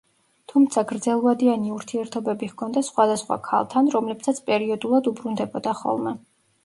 თუმცა გრძელვადიანი ურთიერთობები ჰქონდა სხვადასხვა ქალთან, რომლებსაც პერიოდულად უბრუნდებოდა ხოლმე.